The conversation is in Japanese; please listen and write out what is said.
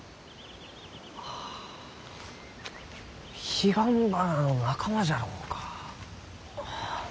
彼岸花の仲間じゃろうか？